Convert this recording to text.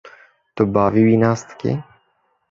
Tu bavê wî nas dikî?